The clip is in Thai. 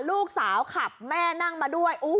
ลูกสาวขับแม่นั่งมาด้วย